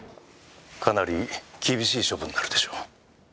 かなり厳しい処分になるでしょう。